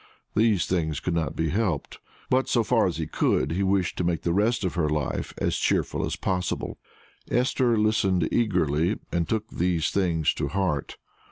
These things could not be helped, but so far as he could, he wished to make the rest of her life as cheerful as possible. Esther listened eagerly, and took these things to heart.